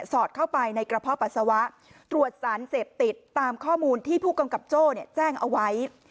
อดเข้าไปในกระเพาะปัสสาวะตรวจสารเสพติดตามข้อมูลที่ผู้กำกับโจ้แจ้งเอาไว้